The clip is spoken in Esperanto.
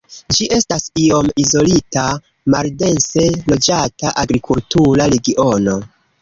Ĝi estas iom izolita, maldense loĝata agrikultura regiono.